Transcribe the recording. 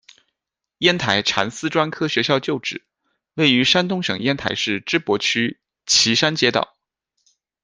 烟台蚕丝专科学校旧址，位于山东省烟台市芝罘区奇山街道。